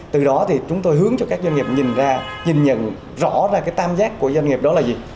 từ đó thì chúng tôi hướng cho các doanh nghiệp nhìn ra nhìn nhận rõ ra cái tam giác của doanh nghiệp đó là gì